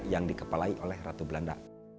yang dikepalai oleh ratu belanda